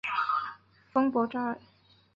丰博扎尔。